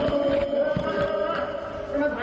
โอเคโอเค